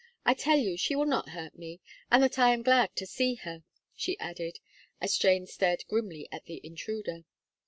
I tell you she will not hurt me, and that I am glad to see her," she added, as Jane stared grimly at the intruder.